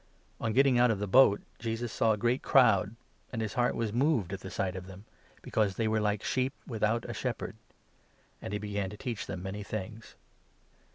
On getting out of the boat, Jesus saw a 34 great crowd, and his heart was moved at the sight of them, be cause they were ' like sheep without a shepherd '; and he began to teach them many things.